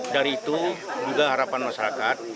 dari itu juga harapan masyarakat